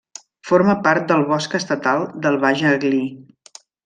Forma part del Bosc Estatal del Baix Aglí.